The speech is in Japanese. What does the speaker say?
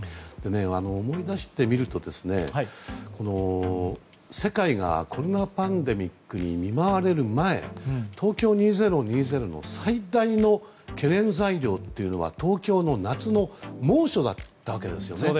思い出してみると世界がコロナパンデミックに見舞われる前東京２０２０の最大の懸念材料は東京の夏の猛暑だったわけですよね。